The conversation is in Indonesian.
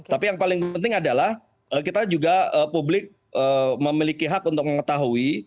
tapi yang paling penting adalah kita juga publik memiliki hak untuk mengetahui